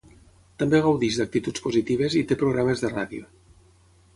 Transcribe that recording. També gaudeix d'actituds positives i té programes de ràdio.